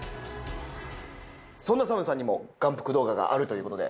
そんなＳＡＭさんにも眼福動画があるということで。